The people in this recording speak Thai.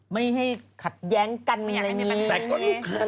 ไม่ให้ขัดย้างกเจสกัน